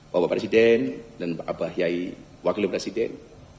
bapak presiden dan bapak yai wakil presiden